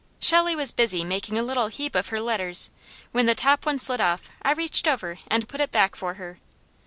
Shelley was busy making a little heap of her letters; when the top one slid off I reached over and put it back for her.